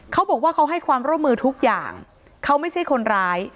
เขาบอกว่าเขาให้ความร่วมมือทุกอย่างเขาไม่ใช่คนร้าย